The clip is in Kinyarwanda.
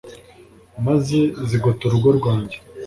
maze zigota urugo rwanjye